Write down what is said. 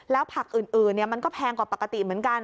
แล้วผักอื่นมันก็แพงกว่าปกติเหมือนกัน